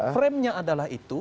frame nya adalah itu